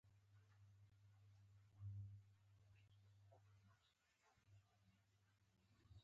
د تجربې او انرژۍ ترکیب بریالی دی